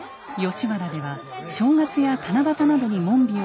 吉原では正月や七夕などに紋日を設け